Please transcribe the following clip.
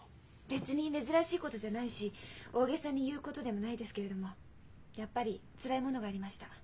別に珍しいことじゃないし大げさに言うことでもないですけれどもやっぱりつらいものがありました。